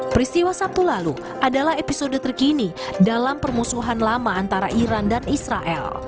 peristiwa sabtu lalu adalah episode terkini dalam permusuhan lama antara iran dan israel